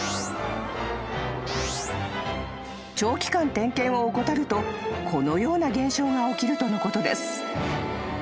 ［長期間点検を怠るとこのような現象が起きるとのことです］